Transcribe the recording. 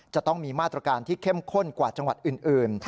จะต้องมีมาตรการที่เข้มข้นกว่าจังหวัดอื่น